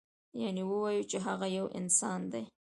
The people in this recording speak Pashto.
یعنې ووایو چې هغه یو انسان دی.